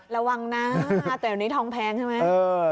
ระวังนะแต่วันนี้ทองแพงใช่ไหม